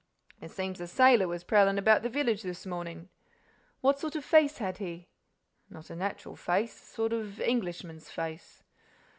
"It seems a sailor was prowling about the village this morning." "What sort of face had he?" "Not a natural face—a sort of Englishman's face."